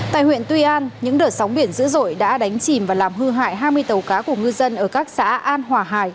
tại huyện tuy an những đợt sóng biển dữ dội đã đánh chìm và làm hư hại hai mươi tàu cá của ngư dân ở các xã an hòa hải